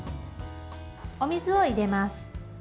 お水を入れます。